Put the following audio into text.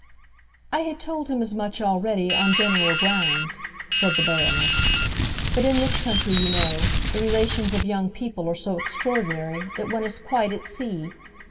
"I had told him as much already, on general grounds," said the Baroness. "But in this country, you know, the relations of young people are so extraordinary that one is quite at sea.